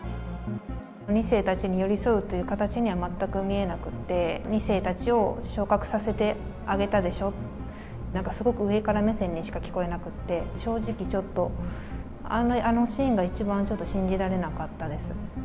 ２世たちに寄り添うという形には全く見えなくって、２世たちを昇格させてあげたでしょ、なんかすごく上から目線にしか聞こえなくって、正直、ちょっと、あのシーンが一番ちょっと信じられなかったです。